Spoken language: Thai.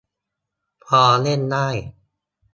พอเล่นได้